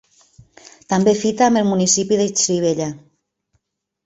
També fita amb el municipi de Xirivella.